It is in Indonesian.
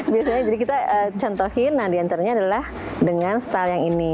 biasanya jadi kita contohin nah diantaranya adalah dengan style yang ini